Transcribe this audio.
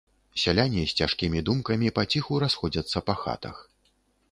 Сяляне з цяжкімі думкамі паціху расходзяцца па хатах.